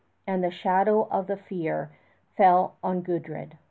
And the shadow of the fear fell on Gudrid.